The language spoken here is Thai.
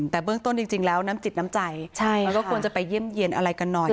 แต่เบื้องต้นจริงแล้วน้ำจิตน้ำใจก็ควรจะไปเยี่ยมเยี่ยนอะไรกันหน่อย